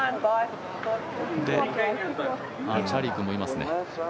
チャーリー君もいますね。